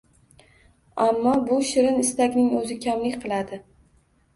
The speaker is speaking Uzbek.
Ammo bu shirin istakning o‘zi kamlik qiladi.